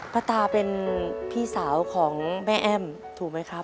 ตาเป็นพี่สาวของแม่แอ้มถูกไหมครับ